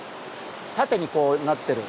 縦にこうなってる。